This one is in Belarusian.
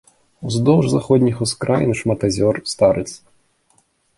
Уздоўж заходніх ускраін шмат азёр, старыц.